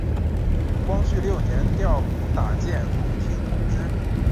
光绪六年调补打箭炉厅同知。